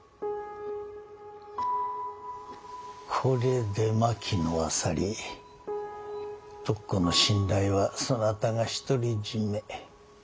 これで牧野は去り徳子の信頼はそなたが独り占め。